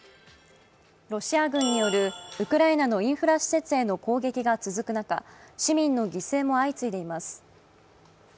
ロシア軍によるウクライナのインフラ施設への攻撃が続く中、市民の犠牲も相次いでいます。